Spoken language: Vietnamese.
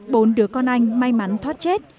bốn đứa con anh may mắn thoát chết